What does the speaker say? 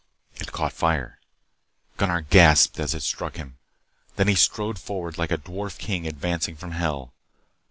It caught fire. Gunnar gasped as it struck him. Then he strode forward, like a dwarf king advancing from Hell.